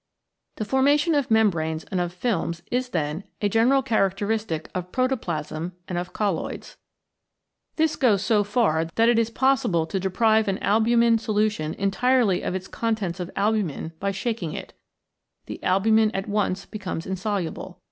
The formation of membranes and of films is, then, a general characteristic of protoplasm and of colloids. This goes so far that it is possible to deprive an albumin solution entirely of its contents of albumin by shaking it. The albumin at once becomes insoluble.